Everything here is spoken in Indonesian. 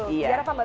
biar apa mbak